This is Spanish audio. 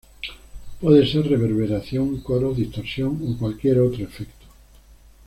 Puede ser reverberación, coros, distorsión, o cualquier otro efecto.